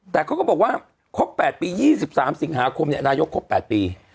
แต่เขาก็บอกว่าครบ๘ปี๒๓สิงหาคมนายกครบ๘ปี